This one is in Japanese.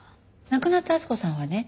亡くなった温子さんはね